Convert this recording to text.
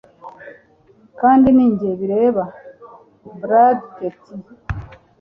kandi ni njye bireba. ”- Brad Pitt